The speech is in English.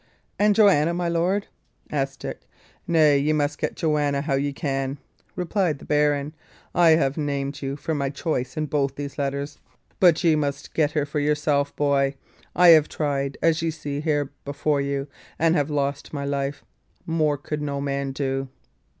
'" "And Joanna, my lord?" asked Dick. "Nay, ye must get Joanna how ye can," replied the baron. "I have named you for my choice in both these letters; but ye must get her for yourself, boy. I have tried, as ye see here before you, and have lost my life. More could no man do."